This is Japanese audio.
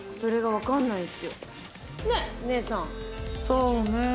そうねえ。